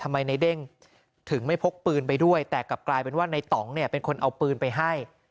ทำไมในเด้งถึงไม่พกปืนไปด้วยแต่กลับกลายเป็นว่าในต่องเนี่ยเป็นคนเอาปืนไปให้